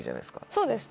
そうです。